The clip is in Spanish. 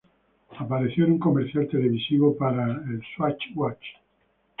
Apareció en un comercial televisivo para el "Swatch Watch".